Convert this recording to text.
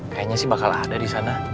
kayaknya sih bakal ada di sana